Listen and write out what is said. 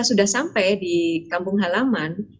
sudah sampai di kampung halaman